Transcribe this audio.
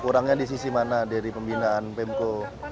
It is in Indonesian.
kurangnya di sisi mana dari pembinaan pemko